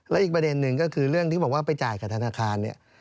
และอีกประเด็นหนึ่งก็คือเรื่องที่บอกว่าไปจ่ายกับธนาคารเนี่ย